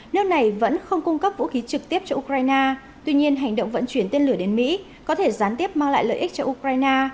nước này vẫn không cung cấp vũ khí trực tiếp cho ukraine tuy nhiên hành động vận chuyển tên lửa đến mỹ có thể gián tiếp mang lại lợi ích cho ukraine